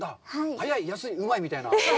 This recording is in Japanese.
早い・安い・うまいみたいな？